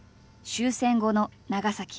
終戦後の長崎。